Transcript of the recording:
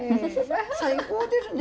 最高ですね。